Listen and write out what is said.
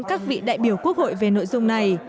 các vị đại biểu quốc hội về nội dung này